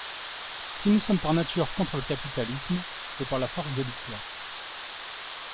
Si nous sommes par nature contre le capitalisme c'est par la force de l'histoire.